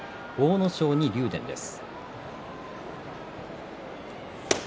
阿武咲に竜電です。